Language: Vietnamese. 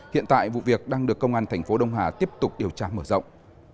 hiện tại vụ việc đang được công an tp đông hà tiếp tục điều tra mở rộng